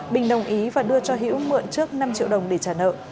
bình đồng ý và đưa cho hiễu mượn trước năm triệu đồng để trả nợ